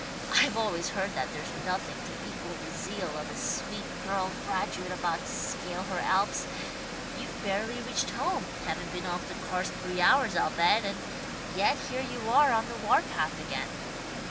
I've always heard that there's nothing to equal the zeal of a sweet girl graduate about to scale her Alps. You've barely reached home, haven't been off the cars three hours, I'll bet, and yet here you are on the war path again.